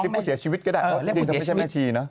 พูดเสียชีวิตก็ได้เพราะจริงไม่ใช่แม่ชี